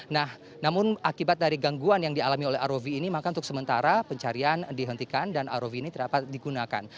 nah namun akibat dari gangguan yang dialami oleh rov ini maka untuk sementara pencarian dihentikan dan rov ini dapat digunakan